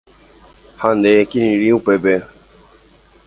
¡Ha nde ekirirĩ upépe!